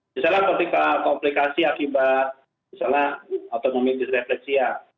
misalnya komplikasi akibat misalnya autonomik disrefleksia